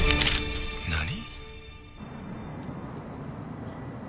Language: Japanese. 何？